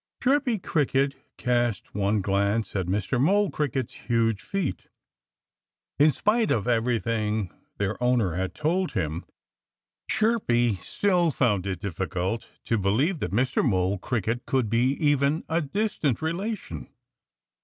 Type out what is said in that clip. Chirpy Cricket cast one glance at Mr. Mole Cricket's huge feet. In spite of everything their owner had told him, Chirpy still found it difficult to believe that Mr. Mole Cricket could be even a very distant relation.